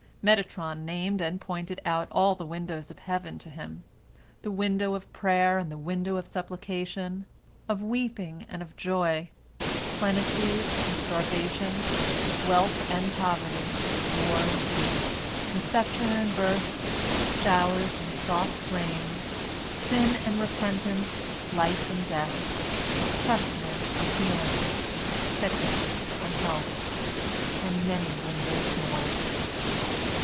Metatron named and pointed out all the windows of heaven to him: the window of prayer and the window of supplication; of weeping and of joy; plenitude and starvation; wealth and poverty; war and peace; conception and birth; showers and soft rains; sin and repentance; life and death; pestilence and healing; sickness and health; and many windows more.